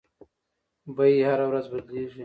بیې هره ورځ بدلیږي.